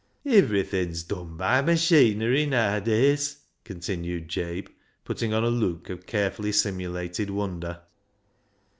" Iverything's dun by machinery naa a days," continued Jabe, putting on a look of carefully simulated wonder.